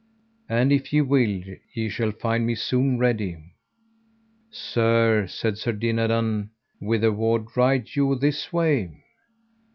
And if ye will, ye shall find me soon ready. Sir, said Sir Dinadan, whitherward ride you this way?